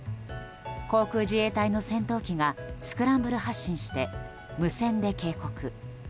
航空自衛隊の戦闘機がスクランブル発進して無線で警告。